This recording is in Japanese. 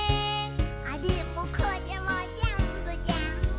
「あれもこれもぜんぶぜんぶ」